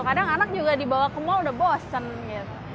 kadang anak juga dibawa ke mall udah bosen gitu